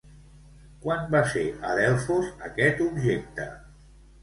Quan va ser a Delfos aquest objecte?